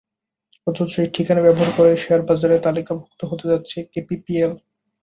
অথচ এই ঠিকানা ব্যবহার করেই শেয়ারবাজারে তালিকাভুক্ত হতে যাচ্ছে কেপিপিএল।